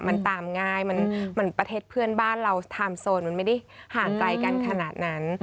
มันตามง่ายมันเหมือนประเทศเพื่อนบ้านเราไทม์โซนมันไม่ได้ห่างไกลกันขนาดนั้น